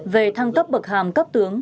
về thăng cấp bậc hàm cấp tướng